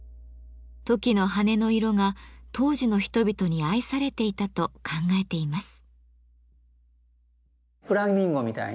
トキの羽の色が当時の人々に愛されていたと考えています。